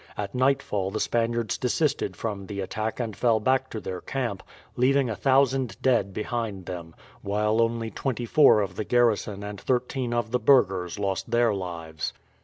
At nightfall the Spaniards desisted from the attack and fell back to their camp, leaving a thousand dead behind them; while only twenty four of the garrison and thirteen of the burghers lost their lives.